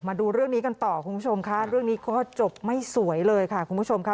มาดูเรื่องนี้กันต่อคุณผู้ชมค่ะเรื่องนี้ก็จบไม่สวยเลยค่ะคุณผู้ชมค่ะ